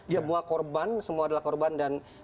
semua korban semua adalah korban dan